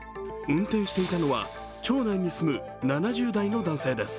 運転していたのは町内に住む７０代の男性です。